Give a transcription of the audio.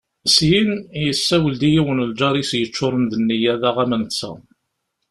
Syin, yessawel-d i yiwen n lǧar-is yeččuren d nneyya daɣ am netta.